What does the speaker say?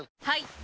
はい！